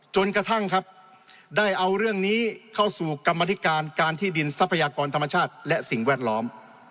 จนกระทั่งครับได้เอาเรื่องนี้เข้าสู่กรรมธิการการที่ดินทรัพยากรธรรมชาติและสิ่งแวดล้อม